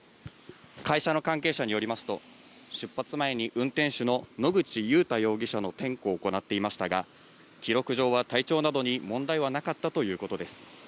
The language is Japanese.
会社の関係者によりますと、出発前に運転手の野口祐太容疑者の点呼を行っていましたが、記録上は体調などに問題はなかったということです。